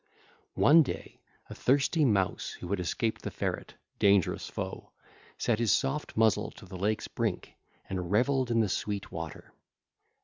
(ll. 9 12) One day a thirsty Mouse who had escaped the ferret, dangerous foe, set his soft muzzle to the lake's brink and revelled in the sweet water.